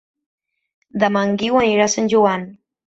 Demà en Guiu anirà a Sant Joan.